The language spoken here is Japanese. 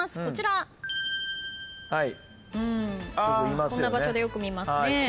こんな場所でよく見ますね。